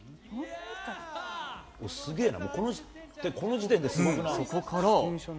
すげえな、この時点ですごくここから。